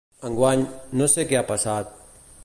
Enguany, no sé què ha passat...